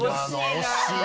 惜しいな！